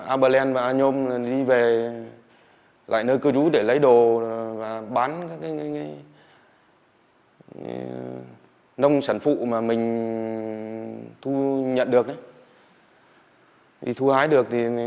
aplen và anom đi về lại nơi cư trú để lấy đồ và bán các cái nông sản phụ mà mình thu nhận được đi thu hái được